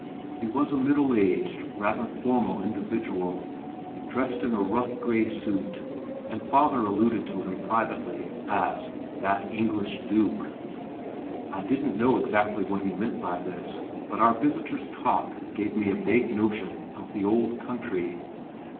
He was a middle aged rather formal individual, dressed in a rough gray suit, and father alluded to him privately as "that English duke." I didn't know exactly what he meant by this, but our visitor's talk gave me a vague notion of "the old country."